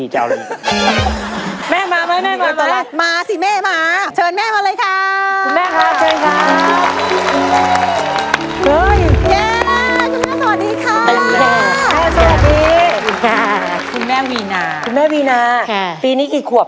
แต่ก็เอาแม่ไปเลี้ยง